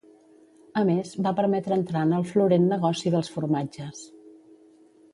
A més, va permetre entrar en el florent negoci dels formatges.